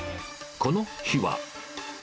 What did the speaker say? この日は。